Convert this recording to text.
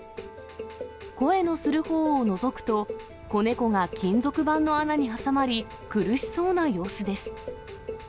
声のするほうをのぞくと、子猫が金属板の穴に挟まり、苦しそうな様子です。